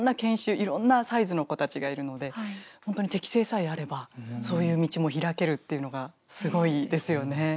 いろんなサイズの子たちがいるので本当に適性さえあればそういう道も開けるっていうのがすごいですよね。